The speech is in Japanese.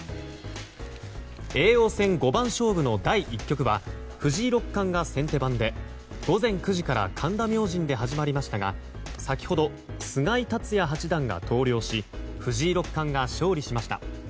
叡王戦五番勝負の第１局は藤井六冠が先手番で午前９時から神田明神で始まりましたが先ほど菅井竜也八段が投了し藤井六冠が勝利しました。